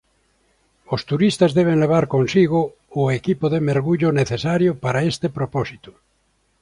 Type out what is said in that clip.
Os turistas deben levar consigo o equipo de mergullo necesario para este propósito.